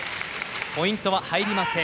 ポイントは入りません。